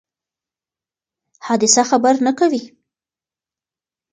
حادثه خبر نه کوي.